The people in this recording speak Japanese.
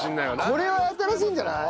これは新しいんじゃない？